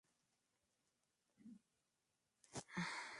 Ambas divisiones fueron rodeadas en Odesa por las fuerzas Blancas.